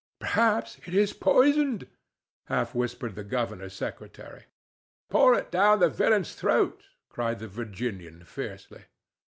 "Perhaps it is poisoned," half whispered the governor's secretary. "Pour it down the villain's throat!" cried the Virginian, fiercely.